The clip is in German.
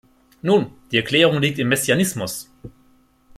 Nun, die Erklärung liegt im Messianismus!